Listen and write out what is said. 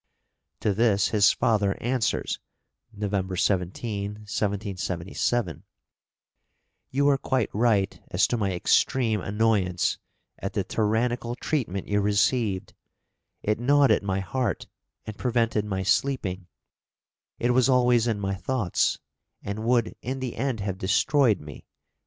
To this his father answers (November 17, 1777): "You are quite right as to my extreme annoyance at the tyrannical treatment you received; it gnawed at my heart, and prevented my sleeping; it was always in my thoughts, and would in the end have destroyed me.